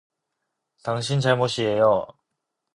당신 잘못이에요.